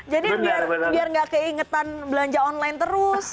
jadi biar tidak keingetan belanja online terus